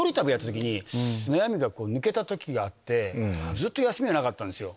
ずっと休みがなかったんですよ